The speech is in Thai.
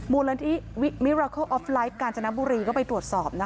มูลนิธิมิราโคลออฟไลฟ์กาญจนบุรีก็ไปตรวจสอบนะคะ